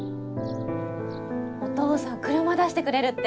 お父さん車出してくれるって。